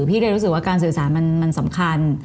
พี่เลยรู้สึกว่าการสื่อสารมันสำคัญ